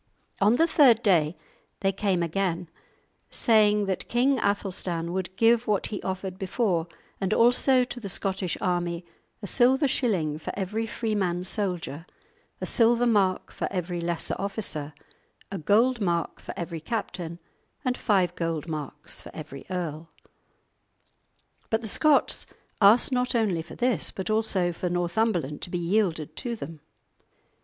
On the third day they came again, saying that King Athelstan would give what he offered before and also to the Scottish army a silver shilling for every freeman soldier, a silver mark for every lesser officer, a gold mark for every captain, and five gold marks for every earl. But the Scots asked not only for this, but also for Northumberland to be yielded to them.